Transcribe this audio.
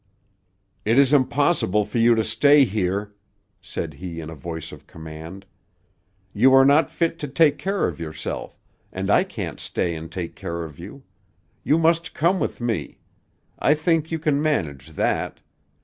"It is impossible for you to stay here," said he in a voice of command. "You are not fit to take care of yourself, and I can't stay and take care of you. You must come with me. I think you can manage that.